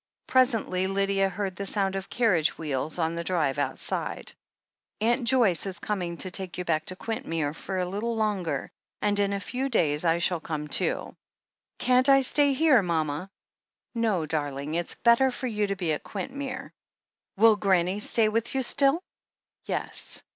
Presently Lydia heard the sound of carriage wheels on the drive outside. "Aunt Joyce is coming to take you back to Quint mere for a little longer, and in a few days I shall come too." "Can't I stay here, mama?" "No, darling. It's better for you to be at Quint mere." "Will Grannie stay here with you still ?" "Yes.